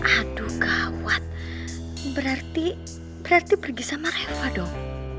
aduh kawat berarti pergi sama reva dong